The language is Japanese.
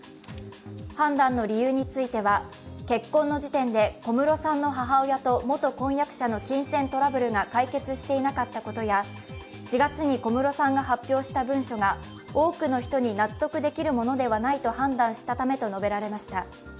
判断の理由については、結婚の時点で小室さんの母親と元婚約者の金銭トラブルが解決していなかったことや４月に小室さんが発表した文書が、多くの人に納得できるものではないと判断したためと述べられました。